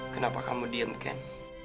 kenapa kamu diem ken